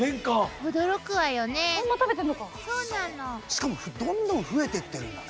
しかもどんどん増えてってるんだね。